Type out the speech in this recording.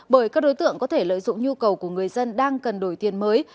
bởi các đối tượng có thể lợi dụng nhu cầu của người dân đang cần đổi tiền mới